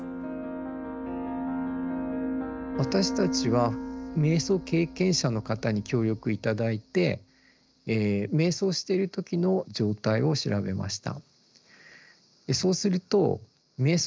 私たちは瞑想経験者の方に協力頂いて瞑想している時の状態を調べました。